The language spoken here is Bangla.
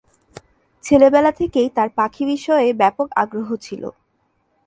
ছেলেবেলা থেকেই তার পাখি বিষয়ে ব্যাপক আগ্রহ ছিল।